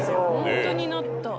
ホントになった。